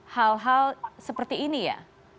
hal hal seperti ini ya